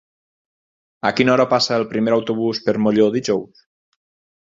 A quina hora passa el primer autobús per Molló dijous?